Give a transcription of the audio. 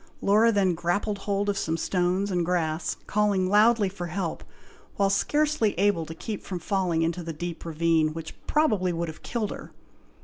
Laura then grappled hold of some stones and grass, calling loudly for help, while scarcely able to keep from falling into the deep ravine, which would probably have killed her.